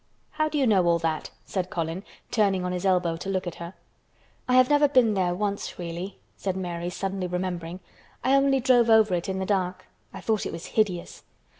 "How do you know all that?" said Colin, turning on his elbow to look at her. "I have never been there once, really," said Mary suddenly remembering. "I only drove over it in the dark. I thought it was hideous.